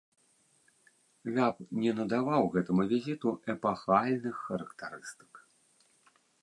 Я б не надаваў гэтаму візіту эпахальных характарыстык.